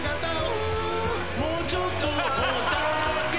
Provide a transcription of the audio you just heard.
もうちょっとだけ